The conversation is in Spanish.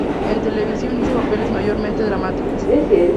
En televisión hizo papeles mayormente dramáticos.